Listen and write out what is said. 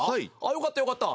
よかったよかった。